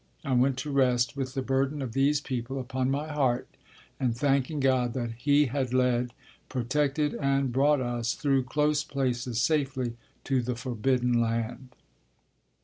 I went to rest with the burden of these people upon my heart, and thanking God that He had led, protected and brought us through close places safely to the "Forbidden Land."